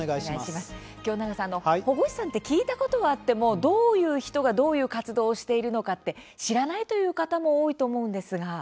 清永さん、保護司さんって聞いたことはあってもどういう人がどういう活動をしているのか知らないという方も多いと思うんですが。